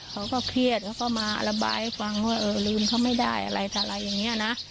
เขาก็เครียดเขาก็มาระบายให้ฟังว่าเออลืมเขาไม่ได้อะไรอะไรอย่างนี้นะ